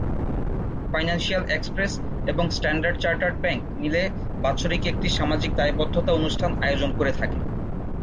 Financial express এবং standard chartered bank মিলে বাৎসরিক একটি সামাজিক দায়বদ্ধতা অনুষ্ঠান আয়োজন করে থাকে।